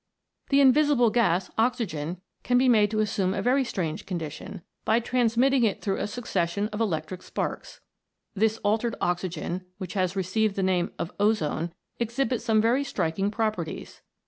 The invisible gas, oxygen, can be made to assume a very strange condition, by transmitting through it a succession of electric sparks. This altered oxygen, which has received the name of ozone, exhibits some very striking pi operties.